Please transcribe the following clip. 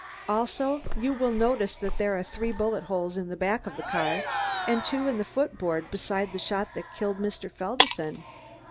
Also you will notice there are three bullet holes in the back of the car and two in the foot board, besides the shot that killed Mr. Felderson.